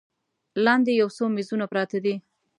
لاندې یو څو میزونه پراته دي.